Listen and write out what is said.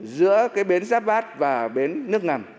giữa cái bến giáp bát và bến nước ngầm